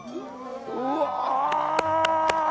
うわ！